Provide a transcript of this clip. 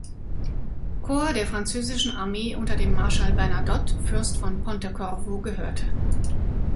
Corps der französischen Armee unter dem Marschall Bernadotte, Fürst von Pontecorvo, gehörte.